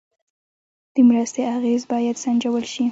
د مرستې اغېز باید سنجول شي.